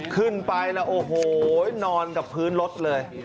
ขึ้นไปแล้วโอ้โหนอนกับพื้นรถเลย